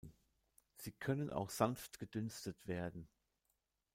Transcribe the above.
Sie können auch sanft gedünstet werden.